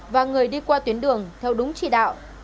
và người đi qua tuyến đường theo đúng chỉ đạo